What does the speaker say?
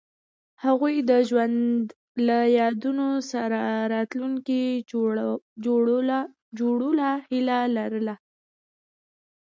هغوی د ژوند له یادونو سره راتلونکی جوړولو هیله لرله.